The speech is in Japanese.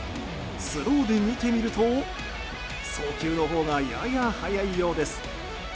スローで見てみると送球のほうがやや早いようです。